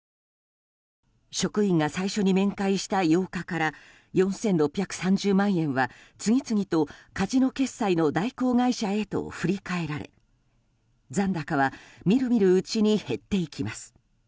職員が最初に面会した８日から４６３０万円は次々とカジノ決済の代行会社へと振り替えられ、残高はみるみるうちに減っていきます。